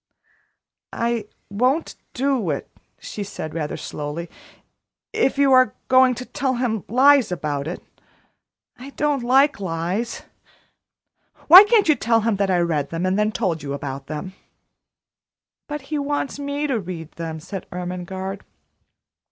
"I won't do it," she said rather slowly, "if you are going to tell him lies about it I don't like lies. Why can't you tell him I read them and then told you about them?" "But he wants me to read them," said Ermengarde.